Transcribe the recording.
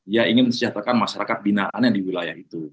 dia ingin mengecehaterkan masyarakat binaan yang di wilayah itu